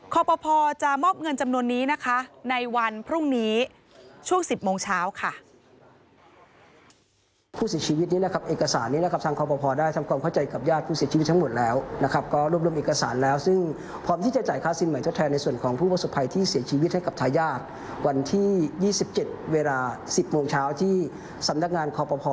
ครอบครัวพอจะมอบเงินจำนวนนี้ในวันพรุ่งนี้ช่วง๑๐โมงเช้า